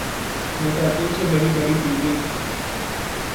میں تعطل سے بڑی بڑی فلمی